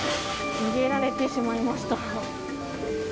逃げられてしまいました。